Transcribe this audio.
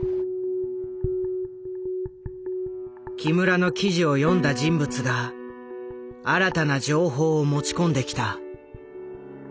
木村の記事を読んだ人物が新たな情報を持ち込んできた。